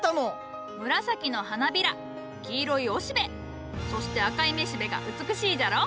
紫の花びら黄色い雄しべそして赤い雌しべが美しいじゃろ？